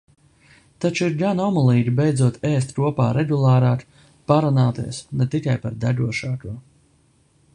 Taču ir gana omulīgi beidzot ēst kopā regulārāk, parunāties ne tikai par degošāko.